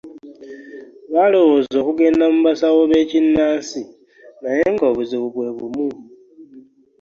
Baalowooza okugenda mu basawo b'ekinnansi naye ng'obuzibu bwe bumu.